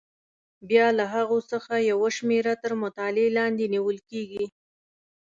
بیا له هغو څخه یوه شمېره تر مطالعې لاندې نیول کېږي.